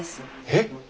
えっ！